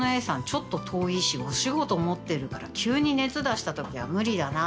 ちょっと遠いしお仕事持ってるから急に熱出した時には無理だな。